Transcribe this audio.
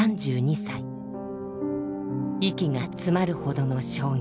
息が詰まるほどの衝撃。